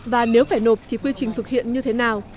và nếu phải nộp thì quy trình thực hiện như thế nào